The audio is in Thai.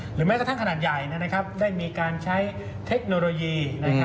แม้กระทั่งขนาดใหญ่ได้มีการใช้เทคโนโลยี